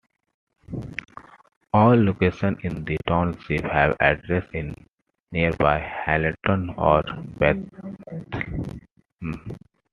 All locations in the township have addresses in nearby Hellertown or Bethlehem.